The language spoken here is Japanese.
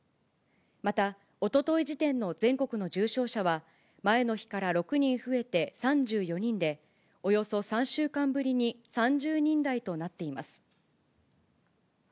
また、おととい時点の全国の重症者は前の日から６人増えて３４人で、およそ３週間ぶりに３０人台となっています。